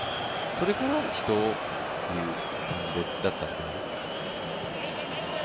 それから人っていう感じだったので。